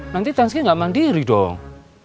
nanti tanski gak mandiri dong